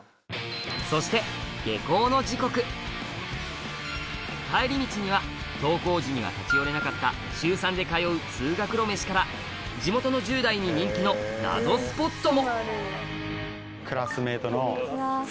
そして帰り道には登校時には立ち寄れなかった週３で通う通学路メシから地元の１０代に人気の謎スポットもクラスメートです。